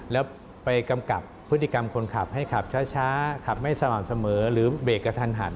แล้วไปกำกับพฤติกรรมคนขับให้ขับช้าขับไม่สม่ำเสมอหรือเบรกกระทันหัน